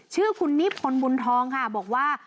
ชื่อคุณนิพนธ์บุญทองค่ะบอกว่า